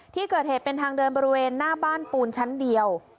ที่เกิดเหตุเป็นทางเดินบริเวณหน้าบ้านปูนชั้นเดียว